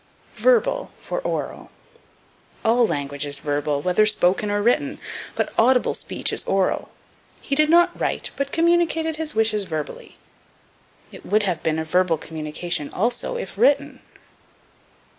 Verbal for Oral. All language is verbal, whether spoken or written, but audible speech is oral. "He did not write, but communicated his wishes verbally." It would have been a verbal communication, also, if written.